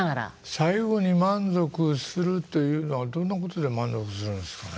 最後に満足するというのはどんなことで満足するんですかね？